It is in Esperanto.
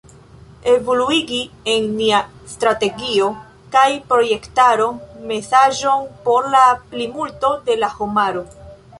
Evoluigi en nia strategio kaj projektaro mesaĝon por la plimulto de la homaro."